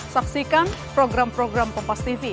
saksikan program program kompas tv